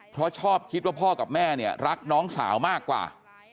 เพราะชอบคิดว่าพ่อกับแม่เนี่ยรักน้องสาวมากกว่า